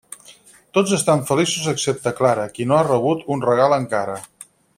Tots estan feliços, excepte Clara, qui no ha rebut un regal encara.